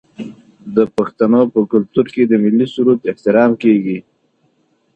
د پښتنو په کلتور کې د ملي سرود احترام کیږي.